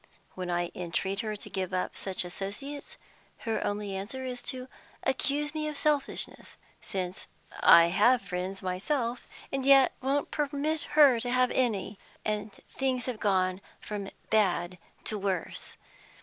When I entreat her to give up such associates, her only answer is to accuse me of selfishness, since I have friends myself, and yet won't permit her to have any. And things have gone from bad to worse.